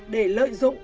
để lợi dụng